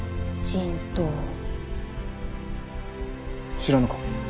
知らぬか？